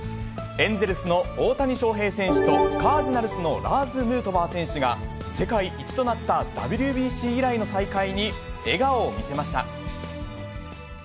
エンゼルスの大谷翔平選手と、カージナルスのラーズ・ヌートバー選手が、世界一となったＷＢＣ以来の再会に笑顔を見せました。